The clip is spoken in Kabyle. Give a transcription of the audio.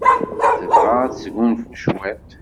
Tebɣa ad tesgunfu cwiṭ.